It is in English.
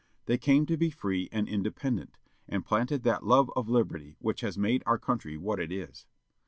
They came to be free and independent, and planted that love of liberty which has made our country what it is.